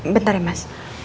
bentar ya mas